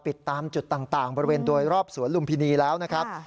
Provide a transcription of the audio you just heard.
ตามจุดต่างบริเวณโดยรอบสวนลุมพินีแล้วนะครับ